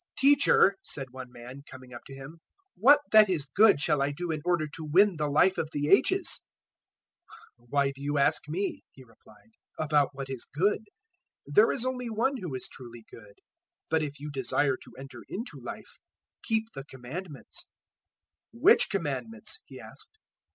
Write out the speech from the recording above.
019:016 "Teacher," said one man, coming up to Him, "what that is good shall I do in order to win the Life of the Ages?" 019:017 "Why do you ask me," He replied, "about what is good? There is only One who is truly good. But if you desire to enter into Life, keep the Commandments." 019:018 "Which Commandments?" he asked.